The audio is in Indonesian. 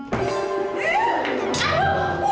tidak ini berapa